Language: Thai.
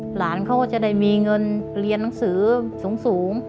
หลานเขาก็จะได้มีเงินเรียนหนังสือสูง